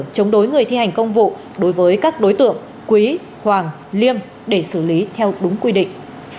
chống đối người thi hành công vụ đối với các đối tượng quý hoàng liêm để xử lý theo đúng quy định